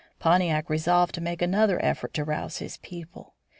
Pontiac resolved to make another effort to rouse his people.